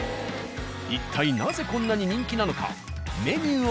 一体なぜこんなに人気なのか？